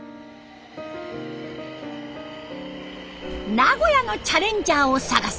「名古屋のチャレンジャー」を探す